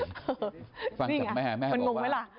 ฟังจากแม่แม่บอกว่า